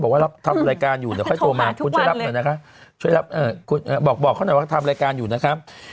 รับทำรายการอยู่เดี๋ยวค่อยโทรมาคุณช่วยรับหน่อยนะคะช่วยรับบอกเขาหน่อยว่าทำรายการอยู่นะครับ